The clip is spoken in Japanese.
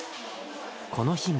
この日も。